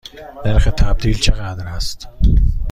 نرخ تبدیل چقدر است؟